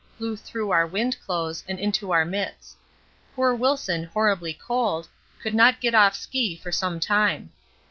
blew through our wind clothes and into our mits. Poor Wilson horribly cold, could not get off ski for some time.